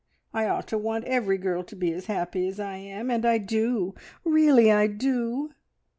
I ought to want every girl to be as happy as I am, and I do really I do.